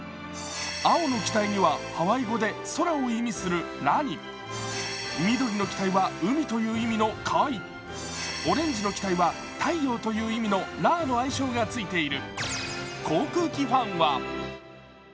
青の機体にはハワイ語で空を海するラニ、緑の機体は海というカイオレンジの期待は太陽という意味のラーの愛称が付いている。